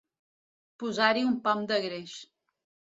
Posar-hi un pam de greix.